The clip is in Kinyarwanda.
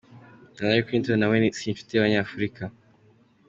Hillary Clinton na we si inshuti y’Abanyafurika.